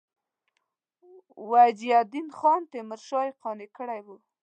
وجیه الدین خان تیمورشاه یې قانع کړی وو.